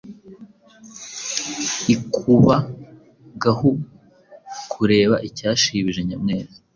ikubagahu kureba icyashibije Nyamwezi,